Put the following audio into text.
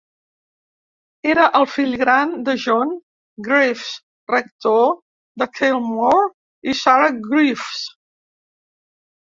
Era el fill gran de John Greaves, rector de Colemore, i Sarah Greaves.